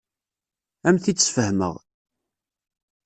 Ad am-t-id-sfehmeɣ.